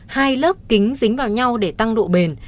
hai lớp kính dính vào nhau để tăng độ bền